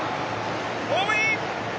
ホームイン。